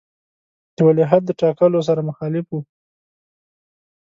د ولیعهد د ټاکلو سره مخالف وو.